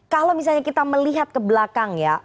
kalau misalnya kita melihat ke belakang ya